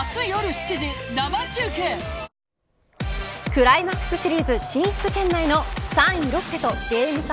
クライマックスシリーズ進出圏内の３位ロッテとゲーム差